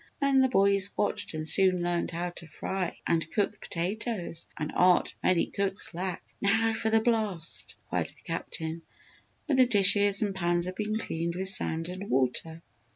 Then the boys watched and soon learned how to fry good potatoes an art many cooks lack. "Now for the blast!" cried the Captain, when the dishes and pans had been cleaned with sand and water.